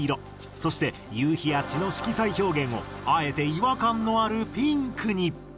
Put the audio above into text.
そして「夕日」や「血」の色彩表現をあえて違和感のあるピンクに。